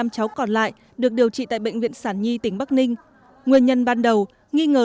năm cháu còn lại được điều trị tại bệnh viện sản nhi tỉnh bắc ninh nguyên nhân ban đầu nghi ngờ